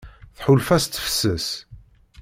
Tḥulfa s tefses.